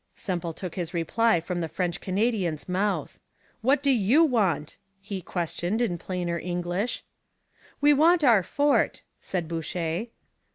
Semple took his reply from the French Canadian's mouth. 'What do you want?' he questioned in plainer English. 'We want our fort,' said Boucher.